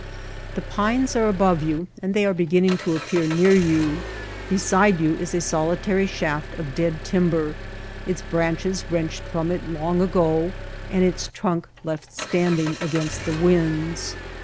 The pines are above you and they are beginning to appear near you. Be side you is a solitary shaft of dead timber, its branches wrenched from it long ago and its trunk left standing against the winds.